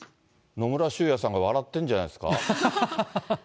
野村修也さんが、笑ってんじゃないですか。